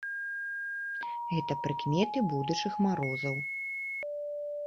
Гэта прыкметы будучых марозаў.